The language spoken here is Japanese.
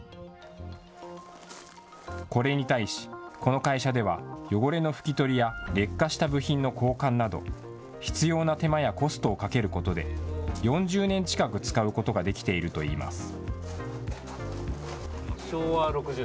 これに対し、この会社では、汚れの拭き取りや劣化した部品の交換など、必要な手間やコストをかけることで、４０年近く使うことができているといいます。